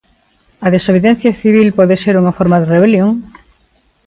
A desobediencia civil pode ser unha forma de rebelión?